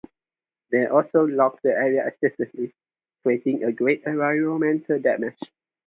They also logged the area extensively, creating great environmental damage.